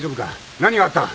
何があった？